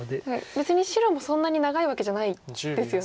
別に白もそんなに長いわけじゃないですよね。